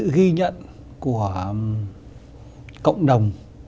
sự ghi nhận của cộng đồng